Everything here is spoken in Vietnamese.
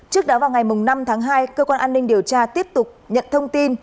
trước đó vào ngày năm tháng hai cơ quan an ninh điều tra tiếp tục nhận thông tin